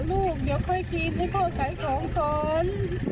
ลูกเดี๋ยวค่อยชิมให้พ่อขายของก่อน